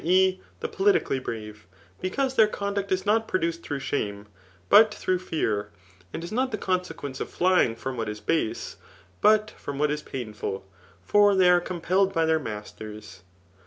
e. the politically bravej because $har conduct is not produced dirot^h shame, but through fesu*, and is not the consequence of flying from what is base, but from what is pahiful ; for diey are compelled by their masters.